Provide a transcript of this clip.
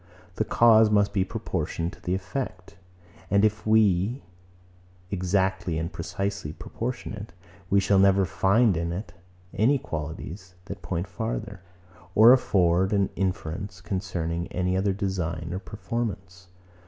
The cause must be proportioned to the effect; and if we exactly and precisely proportion it, we shall never find in it any qualities, that point farther, or afford an inference concerning any other design or performance.